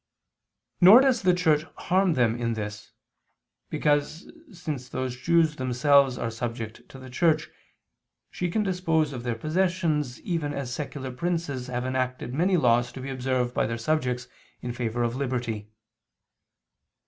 Nor does the Church harm them in this, because since those Jews themselves are subject to the Church, she can dispose of their possessions, even as secular princes have enacted many laws to be observed by their subjects, in favor of liberty.